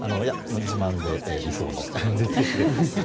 自慢で理想の弟子です。